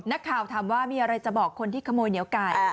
นักข่าวถามว่ามีอะไรจะบอกคนที่ขโมยเหนียวไก่